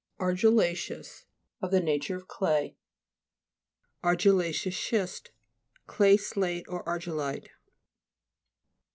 ARGILLA'CEOUS Of the nature of clay. ARGILLA'CEOUS SCHIST Clay slate, or argillite.